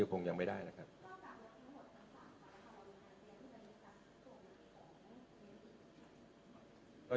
คุณผู้หญิงสำหรับปรากฏภัณฑ์บริษัทที่จะมีคำส่งของนักศึกษา